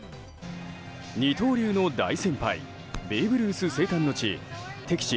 二刀流の大先輩ベーブ・ルース生誕の地